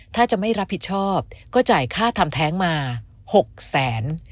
ถ้าจะไม่รับผิดชอบก็จ่ายค่าทำแท้งมา๖แสน